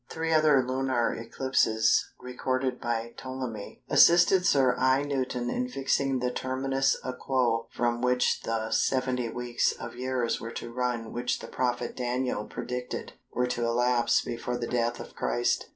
Three other lunar eclipses, recorded by Ptolemy, assisted Sir I. Newton in fixing the Terminus a quo from which the "70 weeks" of years were to run which the prophet Daniel predicted were to elapse before the death of Christ.